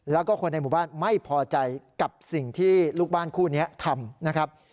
แล้วก็คนในหมู่บ้านไม่พอใจกับสิ่งที่ลูกบ้านคู่นี้ทำนะครับ